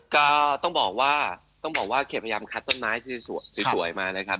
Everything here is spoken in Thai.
ก็ต้องบอกว่าเขตพยายามคัดต้นไม้สวยมาเลยครับ